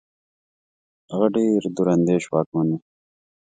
هغه ډېر دور اندېش واکمن وو.